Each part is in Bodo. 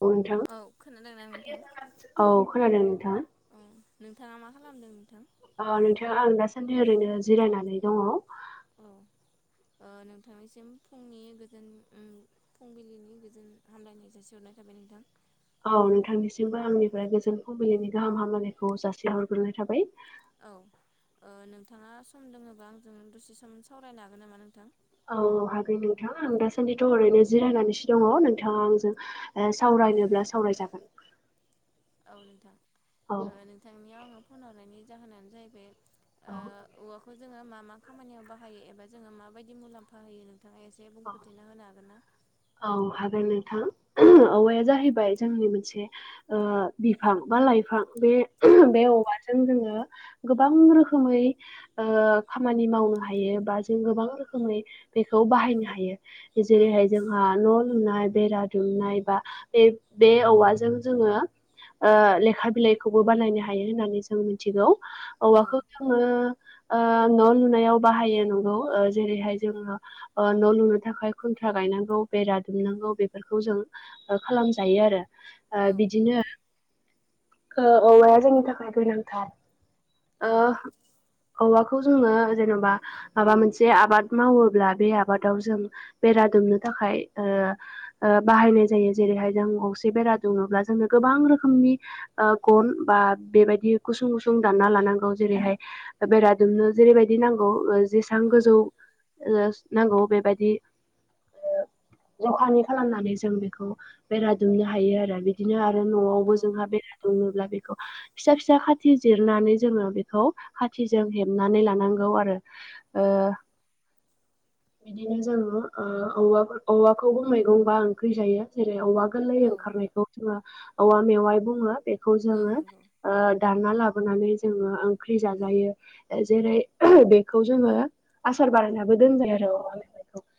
औ नोंथां खोनादोंना नोंथां औ खोनादों नोंथां औ नोंथाङा मा खालामदों नोंथां औ नोंथां आं दासान्दि ओरैनो जिरायनानै दङ औ औ। ओ नोंथांनिसिम फुंनि गोजोन उम फुंबिलिनि गोजोन हामलायनाय जासिहरनाय जाबाय नोंथां औ नोंथांनिसिमबो आंनिफ्राय गोजोन फुंबिलिनि गाहाम हामलायखौ जासिहरग्रोनाय थाबाय औ नोंथाङा ओ सम दोङोबा आंजों दसे सम सावरायनो हागोन नामा नोंथां। औ हागोन नोंथां आं दासान्दिथ' ओरैनो जिरायनानैसो दङ नोंथाङा आंजों साव रायनोब्ला सावरायजागोन औ नोंथां औ ओ नोंथांनियाव आङो फन हरायनायनि जाहोनानो जाहैबाय औ। ओ औवाखौ जोङो मा मा खामानियाव बाहायो एबा जोङो माबायदि मुलाम्फा होयो नों नोंथाङा एसे औ बुंफोरथिना होनो हागोन ना थां औवाया जाहैबाय जोंनि मोनसे ओ बिफां बा लाइफां बे औ बे औवाजों जोङो गोबां रोखोमै ओ खामानि मावनो हायो बा जों गोबां रोखोमै बेखौ बाहायनो हायो औ जेरैहाय जोंहा न' लुनाय बेरा दुमनाय बा बे बे औवाजों जोङो ओ लेखा बिलाइखौबो बानायनो हायो होननानै जों मिथिगौ। औ औवाखौ जोङो ओ न' लुनायाव बाहायो नंगौ जेरैहाय जोङो ओ न' लुनो थाखाय खुन्थ्रा गायनांगौ बेरा दुमनांगौ बेफोरखौ जों खालामजायो आरो। औ ओ बिदिनो औवाया जोंनि थाखाय गोनांथार। ओ औवा खौ जोङो जेनेबा माबा मोनसे आबाद मावोब्ला बे आबादाव जों बेरा दुमनो थाख खाय ओ बाहायनाय जायो जेरैहाय जों गंसे बेरा दुङोल्बा जोंनो गोबां रोखोमनि ओ गन बा बेबायदि गुसुं गुसुं दानना ला नांगौ जेरैहाय बेरा दुमनो जेरैबायदि नांगौ जेसेबां गोजौ औ नांगौ बेबायदि जखानि खालामनानै जों बेखौ बेरा दुमनो हायो आरो बिदिनो आरो न'आवबो औ जोंहा बेरा दुमोब्ला बेखौ फिसा-फिसा खाथि जिरनानै जोङो बेखौ खाथिजों हेबनानै लानांगौ आरो ओ औ बिदिनो जोङो ओ औवा-औवाखौबो मैगं बा ओंख्रि जायो जेरै- औवा गोरलै औ ओंखारनायखौ जोङो औवा मेवाइ बुङो बेखौ औ जोङो नंगौ ओ दानना लाबो जोङो ओंख्रि जाजायो जेरै- ओ बेखौ जोङो आसार बानायनाबो दोनजायो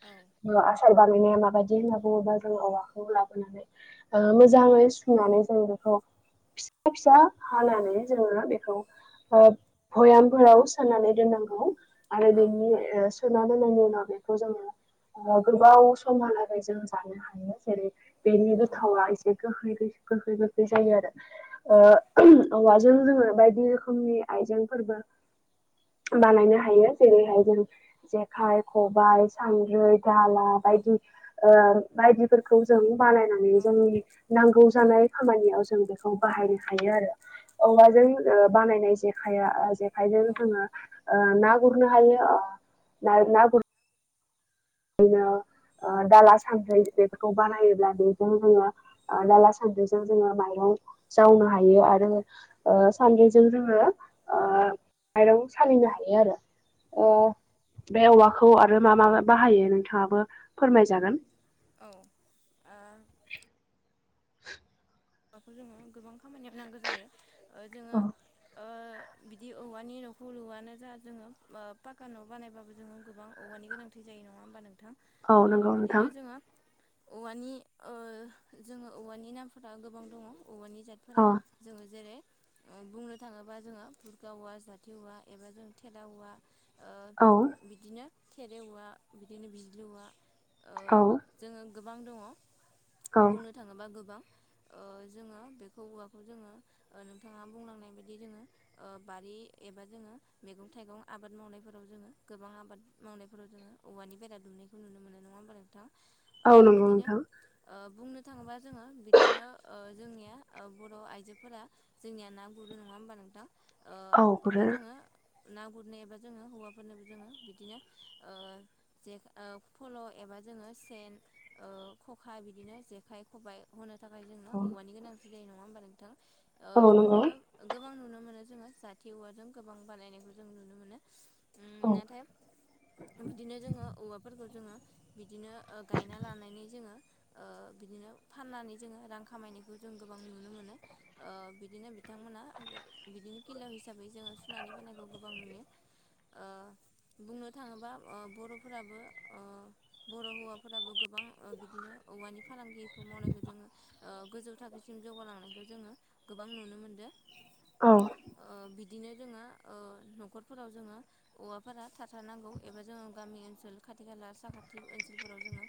औ आसार बानायनाया माबायदि बिदि होनना बुङोबा जों औवाखौ लाबोनानै मोजाङै सुनानै जों बेखौ फिसा-फिसा हानानै जोङो बेखौ ओ भयामफोराव सोनानै दोननांगौ आरो औ बेनि ओ सोना दोननायनि उनाव बेखौ जोङो गोबाव समहालागै जों जानो हायो जेरै बेनि औ गोथावा एसे गोखै-गोखै जायो आरो औ ओ ओम औवा जों जोङो बायदि रोखोमनि आइजें फोरबो बानायनो हायो जेरैहाय जों जेखाइ-खबाइ, सान्द्रै-दाला बायदि ओ बायदिफोरखौ जों बानायनानै औ जोंनि नांगौ जानाय खामानियाव जों बेखौ बाहायनो हायो आरो औवाजों ओ बानायनाय जेखाइया ओ जेख खाइजों जोङो ओ ना गुरनो हायो ओ ना गुरनो आना [unintelligible] ओ दाला-सान्द्रि बेफोरखौ बानायोब्ला बेजों जोङो ओ दाला-सान्द्रिजों जोङो माइरं जावनो हायो आरो ओ सान्द्रिजों जोङो ओ माइरं सालिनो हायो आरो ओ औ बे औवाखौ आरो मा मा म बाहायो नोंथाङाबो फोरमायजागोन औ आ [unintelligible] हाबाखौ जोङो गोबां खामानियाव नांगौ जायो जोङो ओ बिदि औवानि न'खौ लु'आनो जा जोङो पाका न' बानायबाबो जोङो गोबां औवानि गोनांथि जायो नङा होमबा नोंथां औ ओ नंगौ नोंथां बिदिनो जोङो औवानि ओ जोङो औवानि नामफोर ओ गोबां दङ औवानि जातफोरा औ जोङो जेरै ओ बुंनो थाङोबा जोङो बुर्खा औवा जावथि औवा एबा जों थेला औवा ओ औ बिदिनो थेरे औवा बिदिनो बिज्लि औवा ओ औ जोङो गोबां दङ औ बुंनो थाङोबा गोबां ओ जोङो बेखौ औवाखौ जोङो नोंथाङा बुंलांनाय बायदि जोङो ओ बारि एबा जोङो मैगं-थाइगं आबाद मावनायफोराव जोङो गोबां आबाद मावनायफोराव जोङो औवानि बेरा दुमनो नुनो मोननाय नङा होमबालायथां औ बिदिनो नोंथां बुंनो थाङोबा जोङो बिदिनो ओ जोंनिया ओ बर' आइजोफोरा जोंनिया ना गुरो नङा होमबा नोंथां ओ औ एबा गुरो जोङो ना गुरनो एबा जोंङो हौवाफोरनोबो जोंङो बिदिनो ओ जे फल' एबा जोंङो सेन ओ खखा बिदिनो जेखाय-खबाय होनो थाखाय जोंङो औ औवानि गोनांथि जायो नङा होमबा नोंथां बेखौ नंगौ जोंङो गोबां नुनो नुनो मोनो जोंङो जाथि औवाजों गोबां बानायनायखौ जों नुनो मोनो। उम औ नाथाय बिदिनो जोंङो औवाफोरखौ जोंङो बिदिनो ओ गायना लानानै जोंङो ओ बिदिनो फाननानै जोंङो रां खामायनायखौ जों गोबां नुनो मोनो ओ बिदिनो बिथांमोना बिदिनो किल' हिसाबै जोंङो सुनानै फाननायखौ गोबां नुयो ओ बुंनो थाङोबा ओ बर'फोराबो ओ बर' हौवाफोराबो गोबां बिदिनो औवानि फालांगिखौ मावनायखौ जोंङो गोजौ थाखोसिम जौगालांनायखौ जोंङो गोबां नुनो मोनदों औ बि बिदिनो जोंङो न'खरफोराव जोंङो औवाफोरा थाथारनांगौ एबा जोङो गामि ओनसोल खाथि खाला साखाथि ओनसोलफोराव जोङोह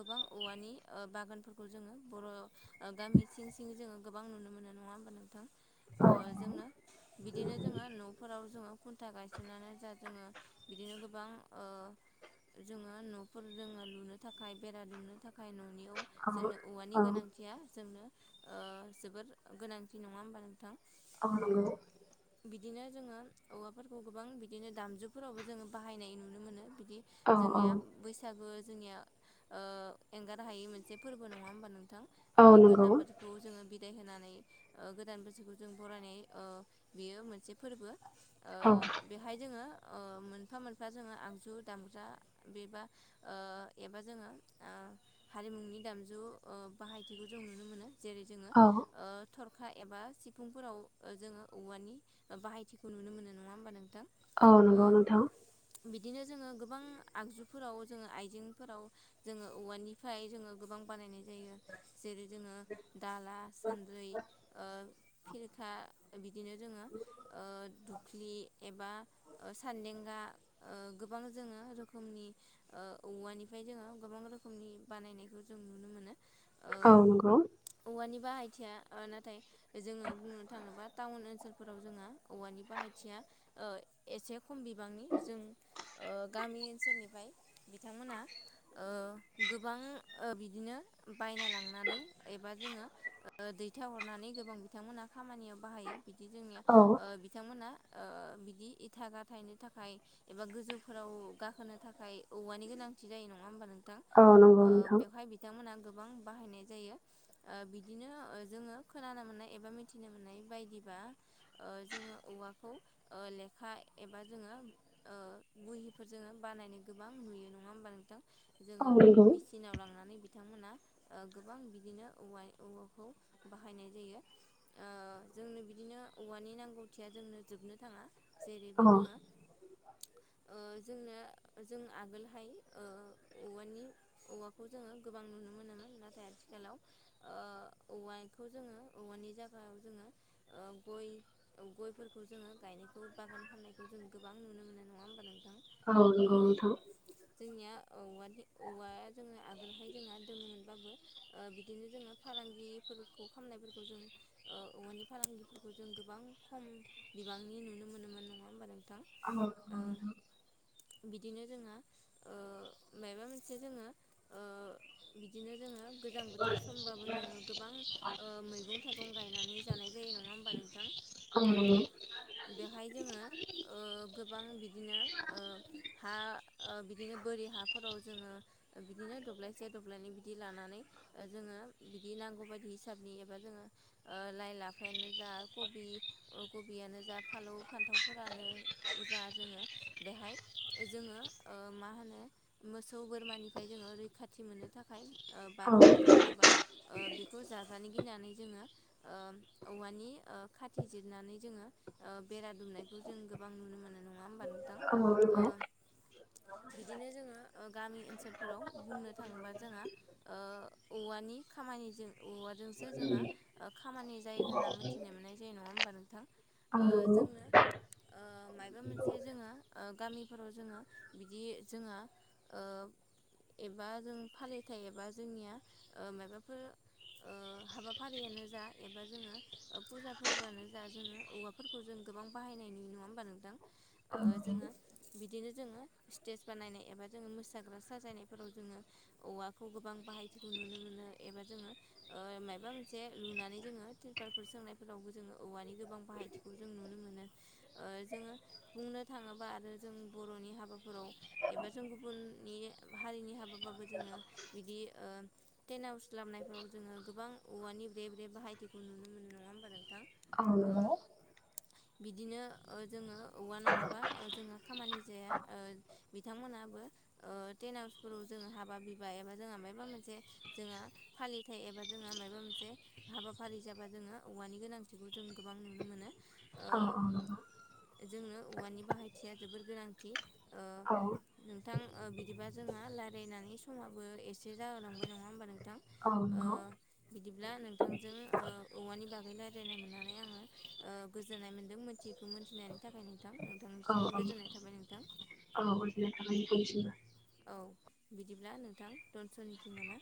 गोबां औवानि बागानफोरखौ जोंङो बर' गामि सिं सिं जोङो गोबां नुनो मोनो नङा होमबा नोंथां औ ओजोंनो बिदिनो जोंङो न'फोराव जोङो खुन्था गायसननानै जा जोंङो बिदिनो गोबां ओ जोंङो न'फोर जोंङो लुनो थाखाय बेरा दुमनो थाखाय न'नि जोंनो औवानि गोनांथि जोंनो ओ जोबोर गोनांथि नङा होमबा नोंथां ओ नंगौ बिदिनो जोंङो औवाफोरखौ गोबां बिदिनो दामजुफोरावबो जोंङो बाहायनाय नुनो मोनो। बिदि औ औ जोंनिया बैसागो जोंनिया एंगार हायै मोनसे फोरबो नङा होमबा नोंथां। औ नंगौ गोजामोरखौ जोंङो बिदाय होनानै गोदान बोसोरखौ जों बरायनाय ओ बेयो मोनसे फोरबो ओ औ बेहाय जोंङो मोनफा मोनफा जोंङो आगजु दामग्रा बेबा एबा जोंङो हारिमुनि दामजु ओ बाहायथिखौ जों नुनो मोनो जेरै ओ जोंङो औ थरखा एबा सिफुंफोराव जोंङो औवानि बाहायथिखौ नुनो मोनो नङा होमबा नों ओवनोंगोव नोंथां बिदिनो जोंङो गोबां आगजुफोराव जोंङो आइजेंफोराव जोङो औवानिफ्राय जोंङो गोबां बानायनाय जायो। जेरै जोंङो दाला सान्दै खिरखा बिदिनो जोङो दुख्लि एबा सान्देंगा गोबां जोंङो रोखोमनि औवानिफ्राय बिदिनो जोङो गोबां रोखोमनि बानायनायखोव जों नुनो मोनो ओ औ नंगौ ओवानि बाहायथिया नाथाय जोंङो बुंनो थाङोब्ला टाउन ओनसोलफोराव जोंहा औवानि बाहायथिया ओ एसे खम बिबांनि जों गामि ओनसोलनिफ्राय बिथांमोना गोबां ओ बिदिनो बायना लांनानै एबा जोंङो दैथ हरनानै गोबां बिथांमोनहा खामानियाव बाहायो बिदि जोंनिया औ बिथांमोना ओ बिदि इथा गाथायनो थाखाय एबा गोजौफोराव गाखोनो थाखाय औवानि गोनांथि जायो नङा होमबा नों औ नंगौ ओ नोंथां बेवहाय बिथांमोना गोबां बाहायनाय जायो बिदि जोङो खोनानो मोननाय मिथिनो मोननाय बायदिबा [unintelligible] जोंङो औवाखौ लेखा एबा जोंङो बेफोर जोंङो बानायनो गोबां नुयो नङा होमबा नोंथां औ जोंङो नंगौ मेसिनाव लांनानै बिथांमोनहा ओ गोबां बिदिनो औव औवाखौ बाहायनाय जायो ओ जोंनो बिदिनो औवानि नांगौथिया जोंनो जोबनो थाङा जेरैबो औ जोङो ओ जोंनो जों आगोलहाय ओ औवानि औवाखौ जोङो गोबां नुनो मोनोमोन। नाथाय आथिखालाव ओ औवाखौ जोङो औवानि जायागायाव जोङो ओ गय गयफोरखौ जोङो गायनायखौ बागान खालामनायखौ जों गोबां नुनो मोनो नङा होमबा नों औ नंगौ नोंथां जोंनिया औवानि औवाया जोङो आगोलहाय जोंहा दङोमोन। बाबो ओ बिदिनो जोङो फालांगिफोरखौ खालामनायफोरखौ जों औवानि फालांगि जों गोबां खम बिबांनि नुनो मोनोमोन नङा होमबा नों औ नंगौ नोंथां। बिदिनो जोंहा ओ माबा मोनसे जोङो ओ बि दिनो जोङो गोजां बोथोर समबाबो जोङो गोबां ओ मैगं थाइगं गायनानै जानाय जायो नङा होमबा नोंथां? औ नंगौ। ओ बेवहाय जोङो ओ गोबां बिदिनो ओ हा ओ बिद बिदिनो बोरि हाफोराव जोङो बिदिनो दब्लायसे दब्लायनै बिदि लानानै ओ जोङो बिदि नांगौ बायदि हिसाबनि एबा जोङो ओ लाइ लाफायानो जा कबि ओ कबियानो जा फालौ फान्थावफोरानो जा जोङो बेहाय जोङो ओ मा होनो मोसौ बोरमानिफ्राय जोङो रैखाथि मोननो थाखाय ओ बारग'नो थाखाय एबा ओ बेखौ जाजानो गिनानै जोङो ओ औवानि ओ खाथि जिरनानै जोङो ओ बेरा दुमनायखौ जों गोबां नुनो मोननाय नङा होमबा नोंथां। औ ओ नोंगौ। बिदिनो जोङो ओ गामि ओनसोलफोराव बुंनो थाङोबा जोंहा ओ औवानि खामानिजों औवाजोंसो जोंहा ओ खामानि जायो होनना मोनथिनो मोननाय जायो नङा होम बा नोंथां औ ओ नंगौ जोंनो ओ मायबा मोनसे जोङो ओ गामिफोराव जोङो बिदि जोंहा ओ एबा जों फालिथाय एबा जोंनिया ओ मायबाफोर ओ हाबाफारियानो जा एबा जोङो ओ फुजा फोरबोआनो जा जोङो औवाफोरखौ जों गोबां बाहायनाय नुयो नङा होमबा नोंथां औ ओ जोङो बिदिनो जोङो स्टेज बानायनाय एबा जोङो मोसाग्रा साजायनायफोराव जोङो औवाखौ गोबां बाहायथिखौ नुनो मोनो एबा जोङो ओ मायबा मोनसे लुनानै जोङो तिरपालफोर सोंनायफोराव जोङो औवानि गोबां बाहायथिखौ जों नुनो मोनो जोङो बुंनो थाङोबा आरो जों बर'नि हाबाफोराव एबा जों गुबुननि हारिनि हाबाबाबो जोङो बिदि ओ टेन हावउस लाबनायफोराव जोङो गोबां औवानि ब्रे ब्रे बाहायथिखौ नुनो मोनो नङा होमबा नोंथां। ओ बिदिनो ओ जोङो औवा नङाबा ओ जोङो‌ खामानि जाया ओ बिथांमोन बाबो ओ तेन हाउसफोराव जोङो हाबा बिबा एबा जोङा‌ ओमफाय बा मोनसे जोङा फालिथाइ एबा जोङा मायबा मोनसे हाबाफारि जाबा जोङो औवानि गोनां गोनांथिखौ जों गोबां नुनो मोनो। ओ औ औ नंगौ जोंनो औवानि बाहायथिया जोबोर गोनांथि ओ औ नोंथां ओ बिदिबा जोंङा रायलायनानै समाबो एसे जाहोलांबाय नङा होमबा नों औ‌ नोंगौ। बिदिब्ला नोंथांजों ओ औवानि बागै रायलायनो मोननानै आङो ओ गोजोननाय मोन्दों मोनथियैखौ मोनथिनायनि थाखाय नों औ औ औ गोजोनाय थाबाय नोंथांनिसिमबो। औ बिदिब्ला नोंथां दोनथ'निसै नामा?